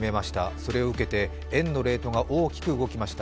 それを受けて円のレートが大きく動きました。